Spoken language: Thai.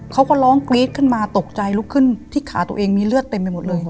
เขาก็ร้องกรี๊ดขึ้นมาตกใจลุกขึ้นที่ขาตัวเองมีเลือดเต็มไปหมดเลย